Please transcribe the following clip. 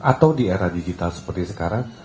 atau di era digital seperti sekarang